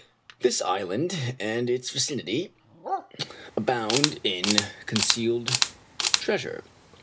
This island and its vicinity abound in con cealed treasure.